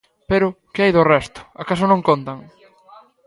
Pero, que hai do resto?, acaso non contan?